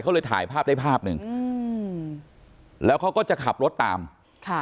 เขาเลยถ่ายภาพได้ภาพหนึ่งอืมแล้วเขาก็จะขับรถตามค่ะ